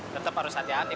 tetep harus hati hati